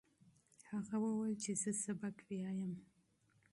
هغه وویل چې زه سبق لولم.